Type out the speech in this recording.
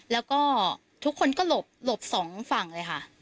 แล้วก็ทุกคนก็หลบสองฝั่งเลยค่ะ